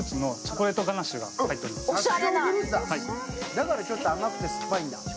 だからちょっと甘くて酸っぱいんだ。